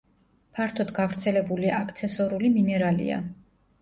ფართოდ გავრცელებული აქცესორული მინერალია.